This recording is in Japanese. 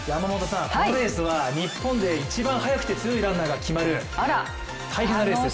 このレースは日本で一番速くて強いランナーが決まる、大変なレースです。